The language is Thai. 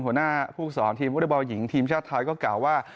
หัวหน้าผู้สอนทีมวุฒิบาลหญิงทีมชาติไทยก็กล่าวว่า